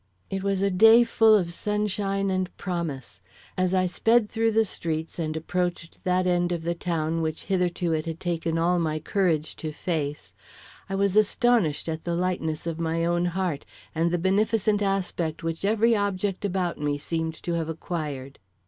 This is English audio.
It was a day full of sunshine and promise. As I sped through the streets and approached that end of the town which hitherto it had taken all my courage to face, I was astonished at the lightness of my own heart and the beneficent aspect which every object about me seemed to have acquired.